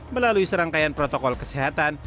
melalui serangkaian protokol kesehatan